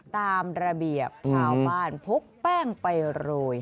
ตามระเบียบชาวบ้านพกแป้งไปโรย